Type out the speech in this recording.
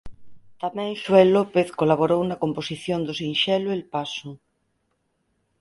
Tamén Xoel López colaborou na composición do sinxelo El Paso.